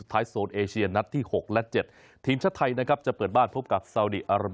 ถามนายกถามสภากรรมการ